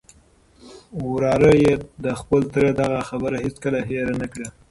وراره یې د خپل تره دغه خبره هیڅکله هېره نه کړه.